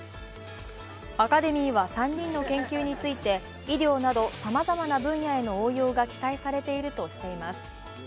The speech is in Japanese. アカデミーは３人の研究について医療などさまざまな分野への応用が期待されているとしています。